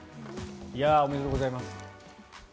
おめでとうございます。